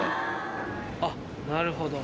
あっなるほど。